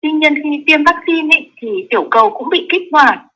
nhưng khi tiêm vaccine thì tiểu cầu cũng bị kích hoạt